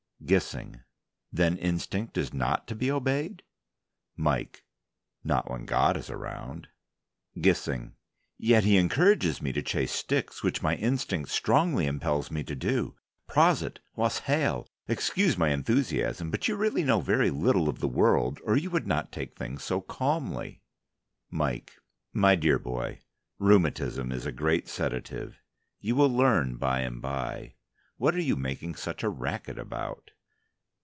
GISSING: Then instinct is not to be obeyed? MIKE: Not when God is around. GISSING: Yet He encourages me to chase sticks, which my instinct strongly impels me to do. Prosit! Waes hael! Excuse my enthusiasm, but you really know very little of the world or you would not take things so calmly. MIKE: My dear boy, rheumatism is a great sedative. You will learn by and by. What are you making such a racket about?